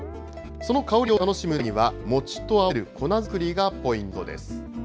その香りを楽しむためには、餅と合わせる粉作りがポイントです。